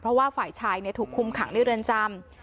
เพราะว่าฝ่ายชายถูกคุมขังในเรือนจำ